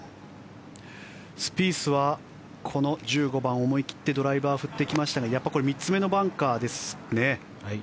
スピースは、この１５番を思い切ってドライバーを振っていきましたがこれは３つ目のバンカーですね。